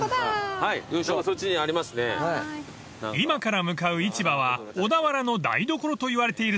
［今から向かう市場は「小田原の台所」といわれているそうです］